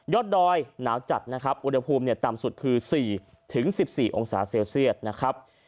ดอยหนาวจัดนะครับอุณหภูมิต่ำสุดคือ๔๑๔องศาเซลเซียตนะครับ